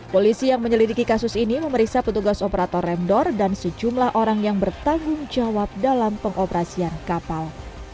polisi yang menyelidiki kasus ini memeriksa petugas operator remdor dan sejumlah orang yang bertanggung jawab dalam pengoperasian kapal